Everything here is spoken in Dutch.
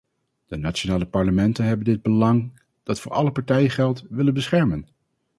De nationale parlementen hebben dit belang, dat voor alle partijen geldt, willen beschermen.